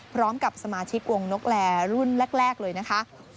พร้อมกับสมาชิกวงนกแลรุ่นแรกเลยนะคะ